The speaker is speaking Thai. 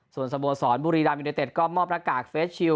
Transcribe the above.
ส่วนสโมสรบุรีรำยุโดยเต็ดก็มอบระกากเฟซชิล